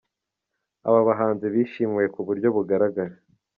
Aba bahanzi bishimiwe ku buryo bugaragara.